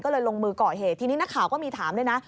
ก็เลยลงมือก่อเหตุทีนี้นักข่าวก็มีถามด้วยนะ